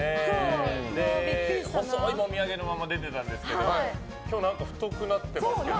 細いもみあげのまま出てたんですけど今日なんか太くなってますけど。